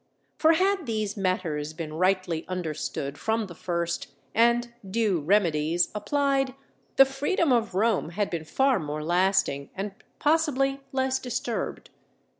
For had these matters been rightly understood from the first, and due remedies applied, the freedom of Rome had been far more lasting, and, possibly, less disturbed.